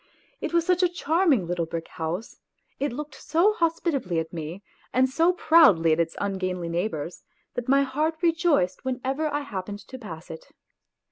It was such a charming little brick house, it looked so hospitably at me, and so proudly at its ungainly neighbours, that my heart rejoiced whenever I hap pened to pass it.